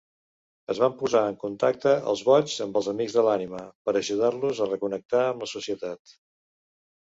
Es van posar en contacte els boigs amb els "amics de l'ànima" per ajudar-los a reconnectar amb la societat.